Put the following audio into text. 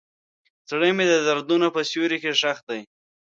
زړه مې د دردونو په سیوري کې ښخ دی.